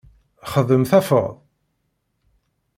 Xdem tafeḍ.